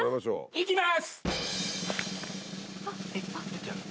いきます！